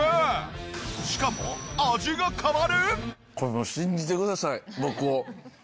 しかも味が変わる！？